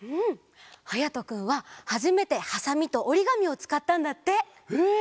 はやとくんははじめてハサミとおりがみをつかったんだって。え！？